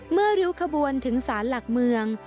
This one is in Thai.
เมื่อริ้วขบวนถึงศาลหลักเมือง